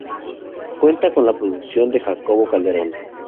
Cuenta con la producción de Jacobo Calderón.